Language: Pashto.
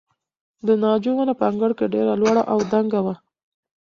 د ناجو ونه په انګړ کې ډېره لوړه او دنګه وه.